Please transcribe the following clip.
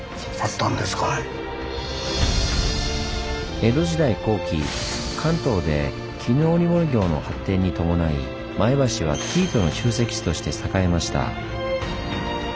江戸時代後期関東で絹織物業の発展に伴い前橋は生糸の集積地として栄えました。